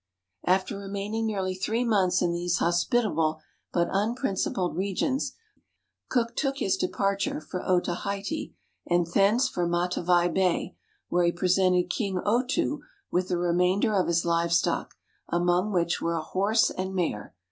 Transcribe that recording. After remaining nearly three months in these hospit able but unprincipled regions, Cook took his departure for Otaheite, and thence for Matavai Bay, where he presented King Otoo with the remainder of his live stock, among which were a horse and mare.